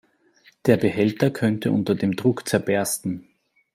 Der Behälter könnte unter dem Druck zerbersten.